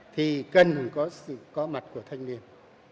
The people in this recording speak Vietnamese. thì cần có mặt của thanh niên